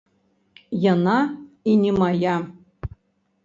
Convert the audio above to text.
Яна і не мая.